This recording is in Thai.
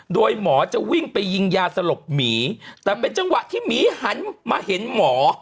โดยหมอจะวิ่งไปยิงยาสลบหมีแต่เป็นจังหวะที่หมีหันมาเห็นหมอ